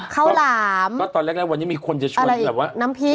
เข้าหลามก็ตอนแรกแรกวันนี้มีคนจะชวนอะไรน้ำพริก